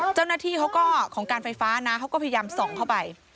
เจ้าหน้าที่เขาก็ของการไฟฟ้านะเขาก็พยายามส่องเข้าไป